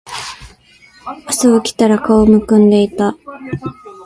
朝起きたら顔浮腫んでいた